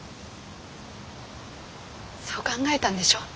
そう考えたんでしょう？